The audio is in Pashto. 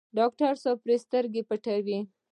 ډاکټر صاحب پرې سترګې پټوي.